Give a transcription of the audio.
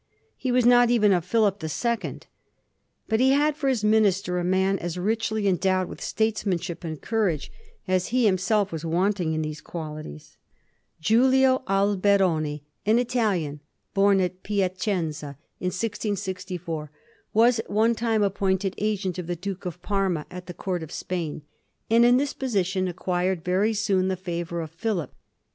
He was not even a Philip the Second. But he had for his minister a man as richly endowed with statesmanship and courage as he him Digiti zed by Google 1716. ALBERONI. 207 self was wanting in those qualities. Giulio Alberoni, an Italian bom at Piacenza in 1664, was at one time appointed agent of the Duke of Parma at the Court of Spain, and in this position acquired very soon the favour of Philip.